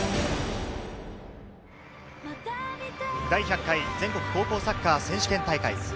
第１００回全国高校サッカー選手権大会。